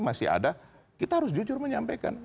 masih ada kita harus jujur menyampaikan